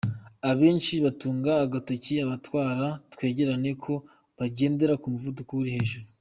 Abenshi batunga agatoki abatwara twegerane ko bagendera ku muvuduko uri hejuru.